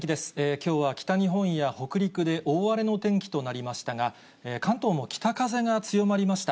きょうは北日本や北陸で大荒れの天気となりましたが、関東も北風が強まりました。